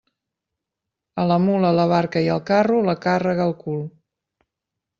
A la mula, la barca i el carro, la càrrega al cul.